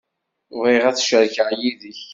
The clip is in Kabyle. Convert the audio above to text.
Bɣiɣ ad t-cerkeɣ yid-k.